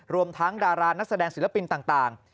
รวมทั้งดารานักแสดงศิลปินต่าง